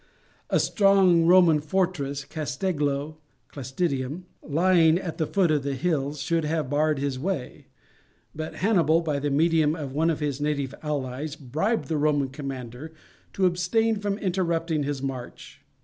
A strong Roman fortress, Castegglo (Clastidium), lying at the foot of the hills, should have barred his way; but Hannibal, by the medium of one of his native allies, bribed the Roman commander to abstain from interrupting his march.